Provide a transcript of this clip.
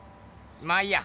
まあいいや。